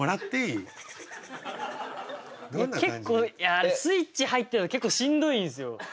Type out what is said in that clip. いや結構あれスイッチ入ってるの結構しんどいんすよ。